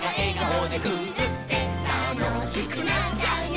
「たのしくなっちゃうね」